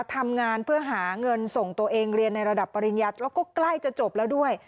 ทำงานเพื่อหาเงินส่งตัวเองเรียนในระดับปริญญาแล้วก็ใกล้จะจบแล้วด้วย